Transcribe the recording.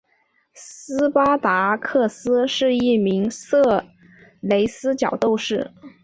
斯巴达克斯是一名色雷斯角斗士。